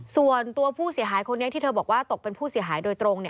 ส่วนตัวผู้เสียหายคนนี้ที่เธอบอกว่าตกเป็นผู้เสียหายโดยตรง